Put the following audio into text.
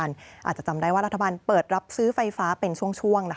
อาจจะจำได้ว่ารัฐบาลเปิดรับซื้อไฟฟ้าเป็นช่วง